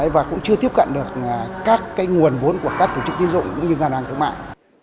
và cũng chưa tiếp cận được các nguồn vốn của các tổ chức tiến dụng cũng như ngân hàng thương mại